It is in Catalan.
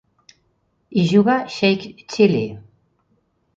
Hi juga Sheikh Chilli